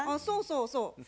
そうそうそう。